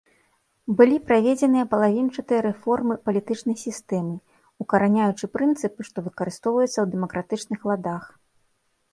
Былі праведзеныя палавінчатыя рэформы палітычнай сістэмы, укараняючы прынцыпы, што выкарыстоўваюцца ў дэмакратычных ладах.